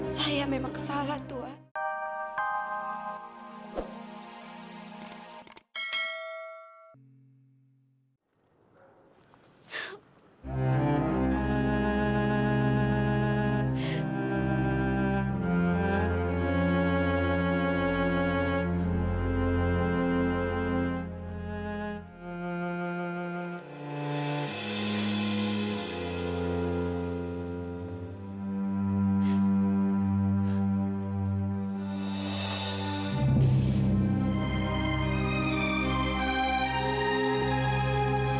saya memang salah tuhan